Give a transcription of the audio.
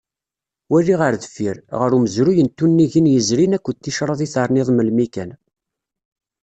Wali ɣer deffir, ɣer umezruy n tunigin yezrin akked ticraḍ i terniḍ melmi kan.